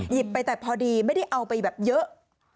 หยิบไปแต่พอดีไม่ได้เอาไปแบบเยอะ